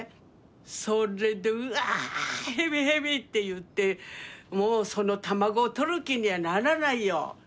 それで「うわっヘビヘビ」って言ってもうその卵とる気にはならないよ。